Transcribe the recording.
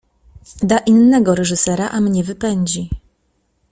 Da innego reżysera, a mnie wypędzi.